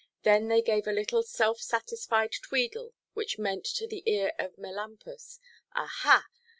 Then they gave a little self–satisfied tweedle, which meant to the ear of Melampus, "Ah ha!